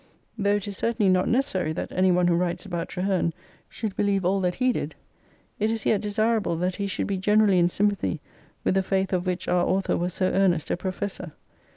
Though it is certainly not necessary that any one who writes about Traheme should believe all that he did, it is yet desirable that he should be generally in sympathy with the faith of which our author was so earnest a professor.